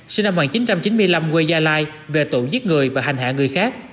sinh năm một nghìn chín trăm chín mươi năm quê gia lai về tội giết người và hành hạ người khác